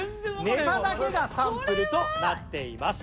ネタだけがサンプルとなっています。